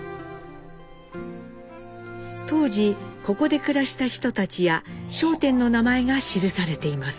当時ここで暮らした人たちや商店の名前が記されています。